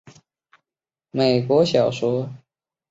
爱的药是一本美国小说。